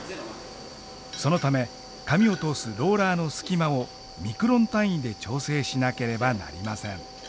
そのため紙を通すローラーの隙間をミクロン単位で調整しなければなりません。